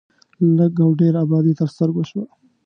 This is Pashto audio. لږ او ډېره ابادي تر سترګو شوه.